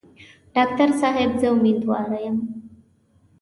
ډاکټر صاحب زه امیندواره یم.